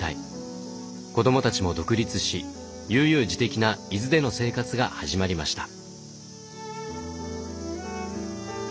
子どもたちも独立し悠々自適な伊豆での生活が始まりました。